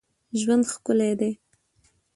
ژوند ښکلی دئ.